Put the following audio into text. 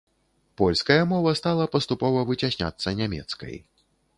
Польская мова стала паступова выцясняцца нямецкай.